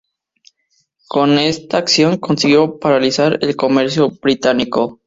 Con esta acción consiguió paralizar el comercio británico.